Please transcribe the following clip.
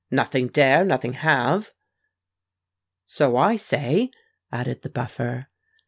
"Nothing dare, nothing have." "So I say," added the Buffer.